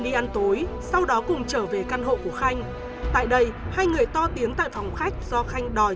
đi ăn tối sau đó cùng trở về căn hộ của khanh tại đây hai người to tiếng tại phòng khách do khanh đòi